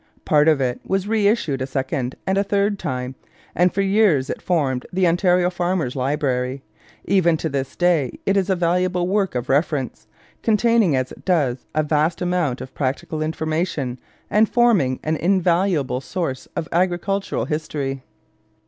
Part of it was reissued a second and a third time, and for years it formed the Ontario farmer's library. Even to this day it is a valuable work of reference, containing as it does a vast amount of practical information and forming an invaluable source of agricultural history.